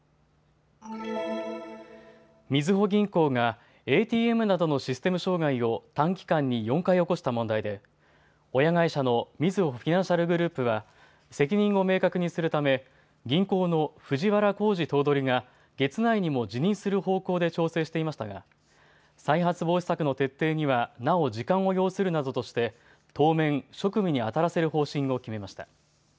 みずほ銀行がＡＴＭなどのシステム障害を短期間に４回起こした問題で親会社のみずほフィナンシャルグループは責任を明確にするため銀行の藤原弘治頭取が月内にも辞任する方向で調整していましたが再発防止策の徹底にはなお時間を要するなどとして当面、職務にあたらせる方針を決めました。